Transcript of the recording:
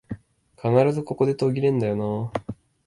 必ずここで途切れんだよなあ